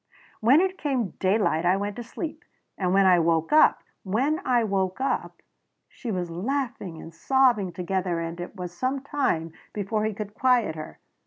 "When it came daylight I went to sleep. And when I woke up when I woke up " She was laughing and sobbing together and it was some time before he could quiet her.